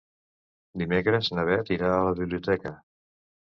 Dimecres na Beth irà a la biblioteca.